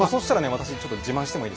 私ちょっと自慢してもいいですか？